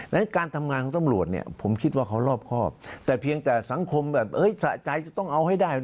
ฉะนั้นการทำงานของตำรวจเนี่ยผมคิดว่าเขารอบครอบแต่เพียงแต่สังคมแบบสะใจจะต้องเอาให้ได้